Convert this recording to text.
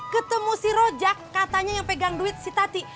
ketemu si rojak katanya yang pegang duit si tati